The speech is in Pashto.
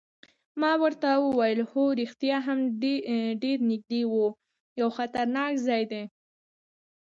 ما ورته وویل: هو رښتیا هم ډېر نږدې یو، خطرناک ځای دی.